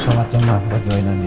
salat cuma buat doainan ya